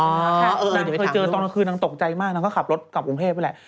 นางเคยเจอตอนกลางคืนนางตกใจมากนางก็ขับรถกลับกรุงเทพไปแหละ